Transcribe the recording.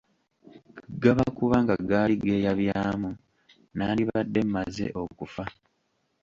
Gaba kuba nga gaali geeyabyamu nandibadde mmaze okufa.